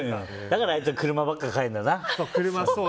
だからあいつは車ばっか変えるんだな。